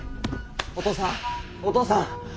お父さんお父さん！